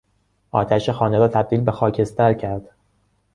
آتش خانه را تبدیل به خاکستر کرد.